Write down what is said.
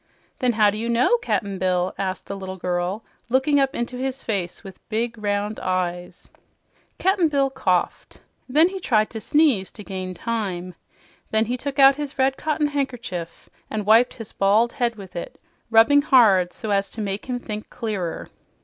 "Then how do you know, Cap'n Bill?" asked the little girl, looking up into his face with big, round eyes. Cap'n Bill coughed. Then he tried to sneeze, to gain time. Then he took out his red cotton handkerchief and wiped his bald head with it, rubbing hard so as to make him think clearer.